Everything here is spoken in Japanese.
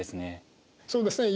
そうですね。